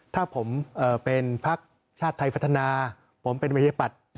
ถ้าผมเป็นพักชาติไทยพัฒนาผมเป็นวิทยาปัตย์